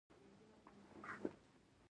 د مارچ درویشتمه د افراطي پاچا د دفاع ورځ ده.